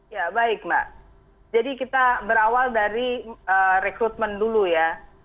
ya baik mbak jadi kita berawal dari rekrutmen dulu ya